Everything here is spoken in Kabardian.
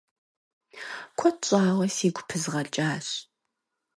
Куэд щӏауэ сигу пызгъэкӏащ.